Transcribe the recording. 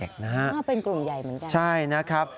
เป็นกรุงใหญ่เหมือนกันนะครับใช่นะครับ